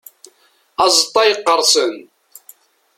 Azeṭṭa yeqqerṣen.